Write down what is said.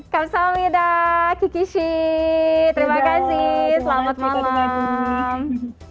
kamsahamnida kikishi terima kasih selamat malam